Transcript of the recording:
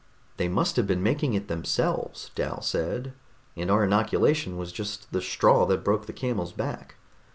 "They must have been making it themselves," Dal said, "and our inoculation was just the straw that broke the camel's back.